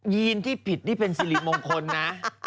ีนที่ผิดนี่เป็นสิริมงคลนะ